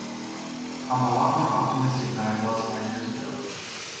I'm a lot more optimistic than I was five years ago.